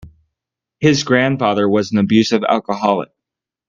His grandfather was an abusive alcoholic.